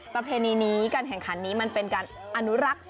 ประเพณีนี้การแข่งขันนี้มันเป็นการอนุรักษ์